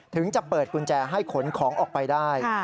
ถึงจะเปิดกุญแจให้ขนของออกไปได้